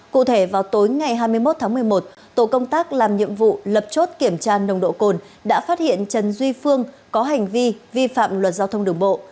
cụ thể vào tối ngày hai mươi một tháng một mươi một tổ công tác làm nhiệm vụ lập chốt kiểm tra nồng độ cồn đã phát hiện trần duy phương có hành vi vi phạm luật giao thông đường bộ